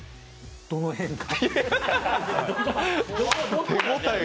どの辺が？